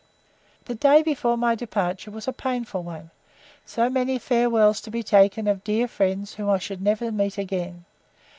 The day before my departure was a painful one, so many farewells to be taken of dear friends whom I should never meet again.